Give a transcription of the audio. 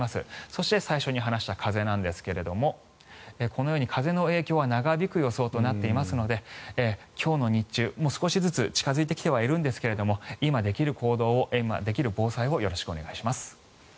そして最初に話した風なんですがこのように風の影響は長引く予想となっていますので今日の日中、少しずつ近付いてきてはいるんですが今できる行動を防災をよろしくお願いします。